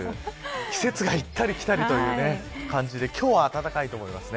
季節が行ったり来たりという感じで今日は暖かいと思います。